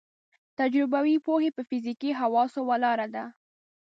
تجربوي پوهه په فزیکي حواسو ولاړه ده.